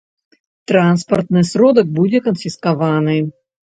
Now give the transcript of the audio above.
Транспартны сродак будзе канфіскаваны.